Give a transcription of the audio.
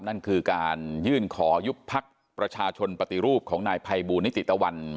นั่นคือการยื่นขอยุบพักประชาชนปฏิรูปของนายภัยบูลนิติตะวัน